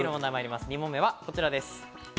２問目はこちらです。